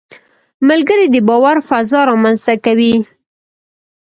ملګری د باور فضا رامنځته کوي